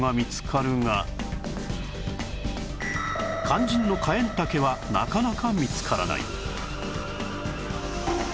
肝心のカエンタケはなかなか見つからない